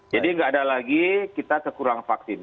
jadi nggak ada lagi kita kekurangan vaksin